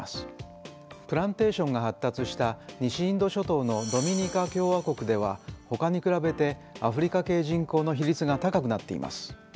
プランテーションが発達した西インド諸島のドミニカ共和国ではほかに比べてアフリカ系人口の比率が高くなっています。